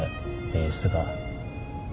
ベースが。